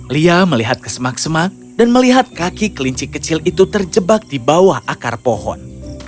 lia melihat kesemak semak dan melihat kaki kelinci kecil itu terjebak di bawah akar pohon